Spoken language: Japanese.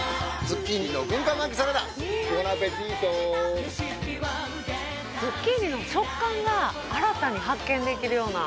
ズッキーニの食感が新たに発見できるような。